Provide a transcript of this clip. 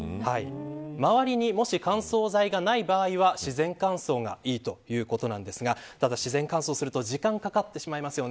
周りに、もし乾燥剤がない場合は自然乾燥がいいということなんですがただ自然乾燥すると時間がかかってしまいますね。